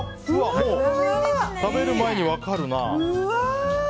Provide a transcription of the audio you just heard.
もう食べる前に分かるな。